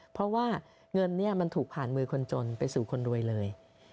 เพราะว่าเงินเนี่ยมันถูกผ่านมือคนจนไปสู่คนรวยเลย